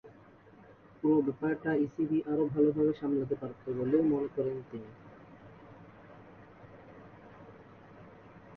পুরো ব্যাপারটা ইসিবি আরও ভালোভাবে সামলাতে পারত বলেও মনে করেন তিনি।